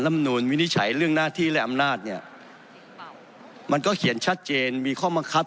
นูลวินิจฉัยเรื่องหน้าที่และอำนาจเนี่ยมันก็เขียนชัดเจนมีข้อมังคับ